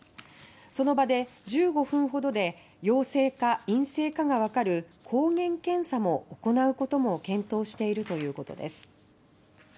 その場で１５分ほどで陽性か陰性かがわかる抗原検査も行うことも検討しているということです。